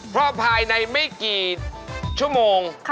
เพราะภายในไม่กี่ชั่วโมง